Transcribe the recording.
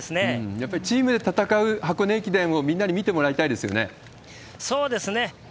やっぱりチームで戦う箱根駅伝を、みんなに見てもらいたいでそうですね。